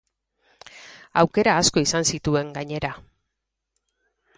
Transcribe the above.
Aukera asko izan zituen, gainera.